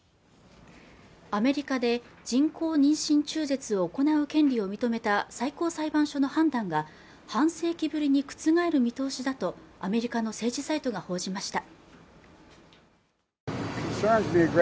アメリカで人工妊娠中絶を行う権利を認めた最高裁判所の判断が半世紀ぶりに覆る見通しだとアメリカの政治サイトが報じました